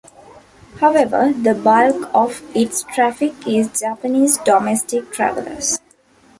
However, the bulk of its traffic is Japanese domestic travelers.